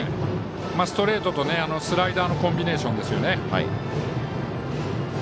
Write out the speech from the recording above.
ストレートとスライダーのコンビネーションですよね。